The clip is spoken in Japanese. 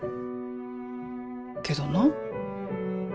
けどな